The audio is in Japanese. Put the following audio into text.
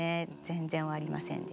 全然終わりませんでした。